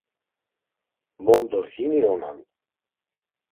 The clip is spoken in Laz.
Mondo hini onan.